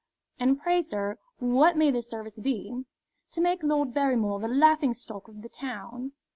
"And pray, sir, what may this service be?" "To make Lord Barrymore the laughing stock of the town."